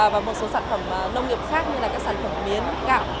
và một số sản phẩm nông nghiệp khác như là các sản phẩm miến gạo